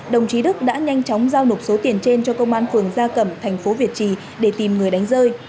đồng chí đức đã nhanh chóng giao nộp số tiền trên cho công an phường gia cẩm thành phố việt trì để tìm người đánh rơi